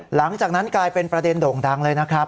หลังจากนั้นกลายเป็นประเด็นโด่งดังเลยนะครับ